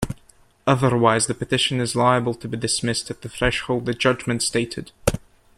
Otherwise the petition is liable to be dismissed at the threshold, the judgment stated.